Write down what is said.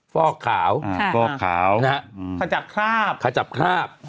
ฟอกขาวขาจับคราบค่ะฟอกขาวขาจับคราบ